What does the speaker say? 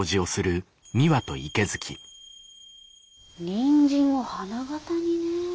ニンジンを花形にねえ。